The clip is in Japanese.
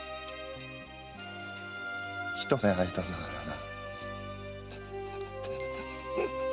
ひと目会えたんだからな。